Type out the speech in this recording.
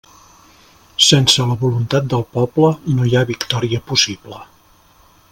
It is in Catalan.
Sense la voluntat del poble no hi ha victòria possible.